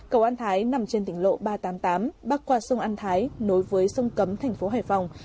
cầu an thái nằm trên tỉnh lộ ba trăm tám mươi tám bắc qua sông an thái nối với sông cấm thành phố hải phòng